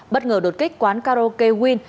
bất ngờ đột kích quán karaoke win